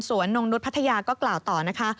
นงนุษย์พัทยาก็กล่าวต่อนะคะ